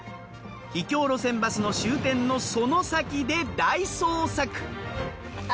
秘境路線バスの終点のその先で大捜索！